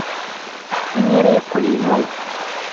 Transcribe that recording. Imir-a, yeqqel inu.